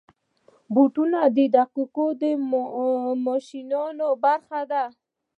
روبوټونه د دقیقو ماشینونو برخه دي.